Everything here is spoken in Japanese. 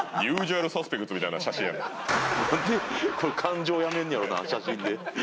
なんで感情やめんねやろな写真で。